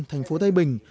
thành phố thái bình